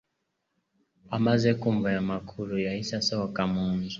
Amaze kumva ayo makuru, yahise asohoka mu nzu.